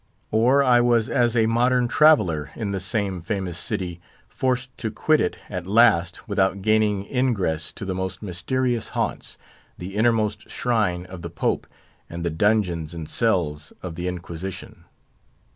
Or I was as a modern traveller in the same famous city, forced to quit it at last without gaining ingress to the most mysterious haunts—the innermost shrine of the Pope, and the dungeons and cells of the Inquisition.